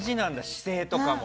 姿勢とかも。